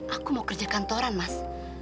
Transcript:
aku mau kerja kantoran mas